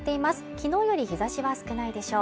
昨日より日差しは少ないでしょう。